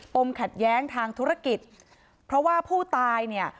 ขัดแย้งทางธุรกิจเพราะว่าผู้ตายเนี่ย